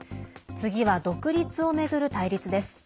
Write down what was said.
次は独立を巡る対立です。